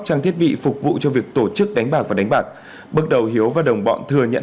trang thiết bị phục vụ cho việc tổ chức đánh bạc và đánh bạc bước đầu hiếu và đồng bọn thừa nhận